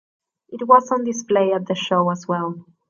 It was on display at the show as well.